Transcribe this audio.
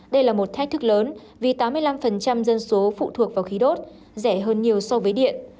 đây là một thách thức lớn vì tám mươi năm dân số phụ thuộc vào khí đốt rẻ hơn nhiều so với điện